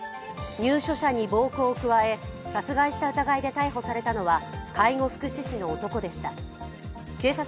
入所者に暴行を加え、殺害した疑いで逮捕されたのは介護福祉士の男でした。